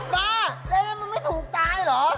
ดาเรื่องนี้มันไม่ถูกได้หรอ